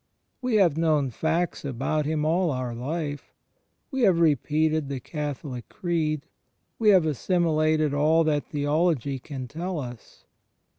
We have known facts about Him all our life; we have repeated the Catholic creed; we have assimilated all that theology can tell us.